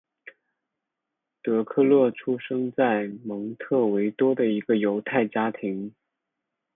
德克勒出生在蒙特维多的一个犹太家庭。